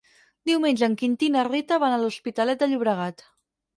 Diumenge en Quintí i na Rita van a l'Hospitalet de Llobregat.